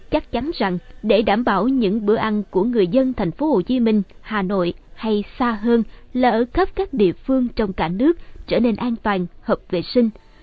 chắc chắn rằng để đảm bảo những bữa ăn của người dân thành phố hồ chí minh hà nội hay xa hơn là ở khắp các địa phương trong cả nước trở nên an toàn hợp vệ sinh